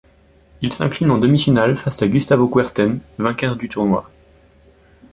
Il s'incline en demi-finale face à Gustavo Kuerten, vainqueur du tournoi.